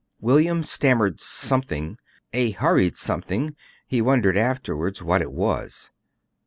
William stammered something a hurried something; he wondered afterward what it was.